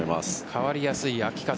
変わりやすい秋風。